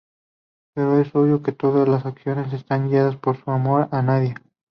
Pero es obvio que todas las acciones están guiadas por su amor a Nadia.